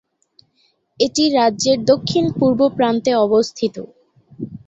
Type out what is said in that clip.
এটি রাজ্যের দক্ষিণ-পূর্ব প্রান্তে অবস্থিত।